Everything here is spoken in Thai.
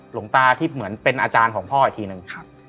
หลวงตาที่เหมือนเป็นอาจารย์ของพ่ออีกทีนึง